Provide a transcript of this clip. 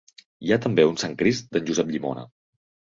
Hi ha també un sant crist d'en Josep Llimona.